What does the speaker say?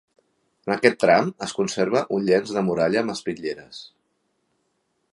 En aquest tram es conserva un llenç de muralla amb espitlleres.